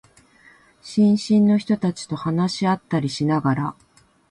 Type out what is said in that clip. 新進の人たちと話し合ったりしながら、